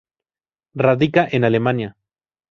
Radica en Alemania.